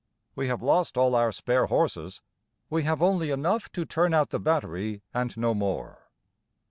We have lost all our spare horses. We have only enough to turn out the battery and no more.